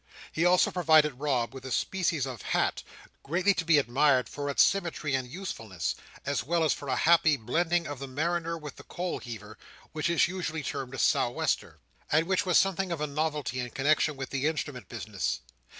He also provided Rob with a species of hat, greatly to be admired for its symmetry and usefulness, as well as for a happy blending of the mariner with the coal heaver; which is usually termed a sou'wester; and which was something of a novelty in connexion with the instrument business.